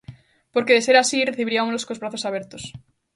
Porque de ser así recibiriámolos cos brazos abertos.